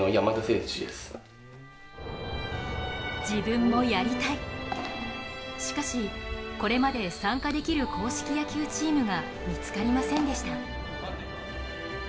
自分もやりたい、しかしこれまで参加できる硬式野球チームが見つかりませんでした。